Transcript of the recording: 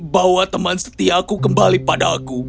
bawa teman setiaku kembali padaku